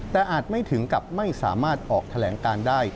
แต่อาจไม่ถึงกับไม่สามารถออกแถลงการได้